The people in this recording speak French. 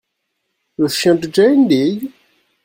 Le chien de Janedig.